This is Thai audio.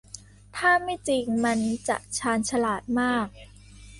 ถ้าไม่จริง มันจะชาญฉลาดมาก